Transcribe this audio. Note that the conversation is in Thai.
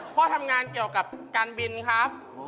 พ่อทำงานเกี่ยวกับการบินครับ